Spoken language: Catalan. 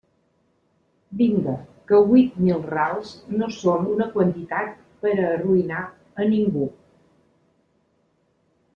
Vinga, que huit mil rals no són una quantitat per a arruïnar a ningú.